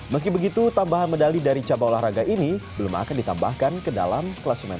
meski begitu tambahan medali dari cabang olahraga ini belum akan ditambahkan ke dalam kelas main